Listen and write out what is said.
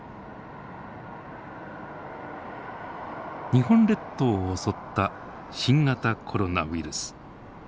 日本列島を襲った新型コロナウイルス。